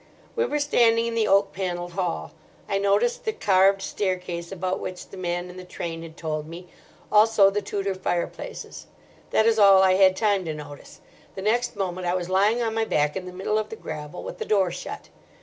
We were standing in the oak panelled hall. I noticed the carved staircase about which the man in the train had told me, also the Tudor fireplaces. That is all I had time to notice. The next moment I was lying on my back in the middle of the gravel with the door shut.